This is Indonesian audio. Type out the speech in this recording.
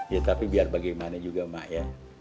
ya tapi biar bagaimana juga mak ya